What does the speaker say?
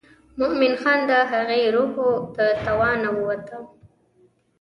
مومن خان د هغې روح و د توانه ووته.